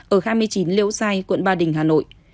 ở hai mươi chín liễu giai quận ba đình hà nội